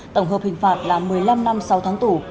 tổng hợp hình phạt là một mươi năm năm sau tháng tù